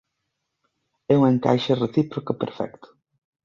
É un encaixe recíproco perfecto.